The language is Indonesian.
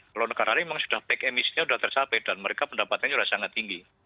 kalau negara lain memang sudah back emisinya sudah tercapai dan mereka pendapatannya sudah sangat tinggi